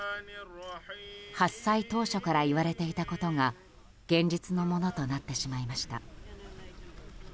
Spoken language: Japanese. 発災当初から言われていたことが現実のものとなってしまいました。